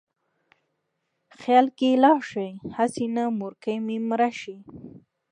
خیال کې لاړ شې: هسې نه مورکۍ مې مړه شي